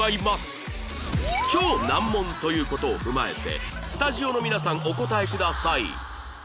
超難問という事を踏まえてスタジオの皆さんお答えください